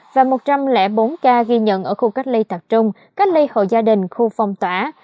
và một trăm linh bốn ca ghi nhận ở khu cách ly tập trung cách ly hộ gia đình khu phong tỏa